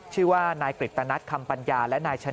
ชื่อว่านายกริตนัทคำปัญญาและนายชนะ